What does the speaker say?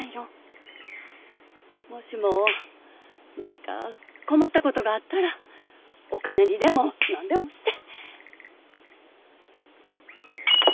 もしも何か困ったことがあったらお金にでも何でもして。